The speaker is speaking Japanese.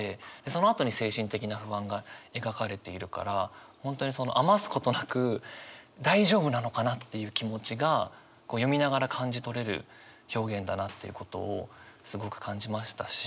そのあとに精神的な不安が描かれているから本当に余すことなく大丈夫なのかなっていう気持ちが読みながら感じ取れる表現だなっていうことをすごく感じましたし。